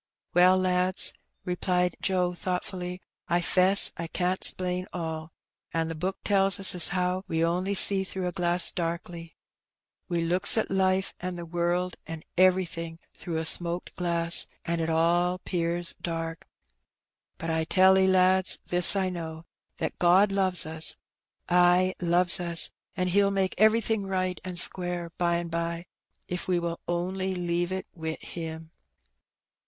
"Well, lads," repKed Joe thoughtfully, "I 'fess I can't 'splain all. An' the Book tells us how we on'y see through a glass darkly. We looks at life an' the world an' every An Experiment. 181 thing throngli a smoked glass^ an' it all 'pears dark. But I tell *e, lads, this I know, that God loves ns, ay, loves us, and He'll make everything right and square by and bye, if we will only leave it wi' Him."